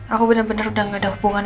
aku bener bener udah gak ada hubungan